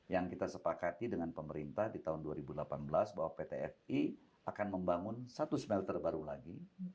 yang kita sepakati dengan pemerintah di tahun dua ribu delapan belas bahwa pt fi akan membangun satu smelter baru lagi